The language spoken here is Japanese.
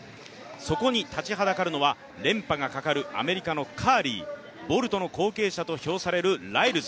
そこに立ちはだかるのは連覇がかかるアメリカのカーリー、ボルトの後継者と称されるライルズ。